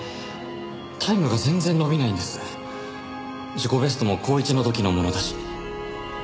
自己ベストも高１の時のものだし。